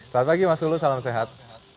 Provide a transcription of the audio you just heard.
selamat pagi mas tulus salam sehat